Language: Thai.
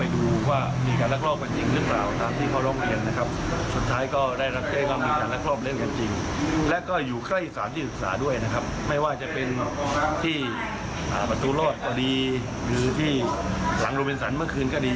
ที่ประตูลอดก็ดีหรือที่สั่งโรเบียนสรรค์เมื่อคืนก็ดี